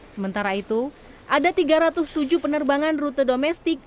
sementara itu ada tiga ratus tujuh penerbangan rute domestik